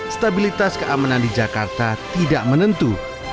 stabilitas keamanan di jakarta tidak menentu